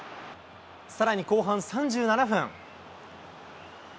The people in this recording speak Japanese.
さらに後半３７分。